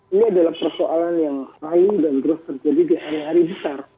ini adalah persoalan yang lalu dan terus terjadi di hari hari besar